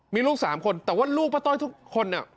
มีลูก๓คนแต่ว่าลูกป้าต้อยทุกคนเนี่ย